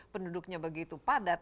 penduduknya begitu padat